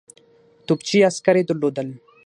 توپچي عسکر یې درلودل.